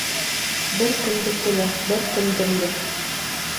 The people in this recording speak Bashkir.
Бер кемдеке лә, бер кемдең дә